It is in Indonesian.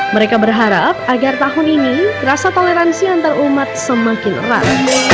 mereka berharap agar tahun ini rasa toleransi antarumat semakin erat